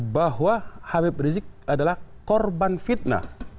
bahwa habib rizik adalah korban fitnah